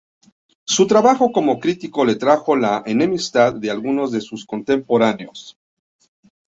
Su trabajo como crítico le atrajo la enemistad de algunos de sus contemporáneos.